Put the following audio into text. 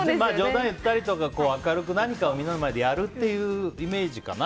冗談を言ったりとか明るく、何かをみんなの前でやるというイメージかな。